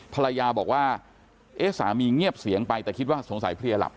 ภรรยาบอกว่าเอ๊ะสามีเงียบเสียงไปแต่คิดว่าสงสัยเพลียหลับ